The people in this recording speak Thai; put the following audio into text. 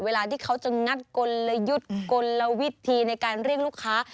เวลาที่เขาจะงัดกลยุทธ์กลวิธีในการเรียกลูกค้า